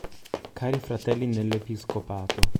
Cari fratelli nell'Episcopato